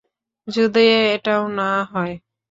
যদি এটাও না হয়।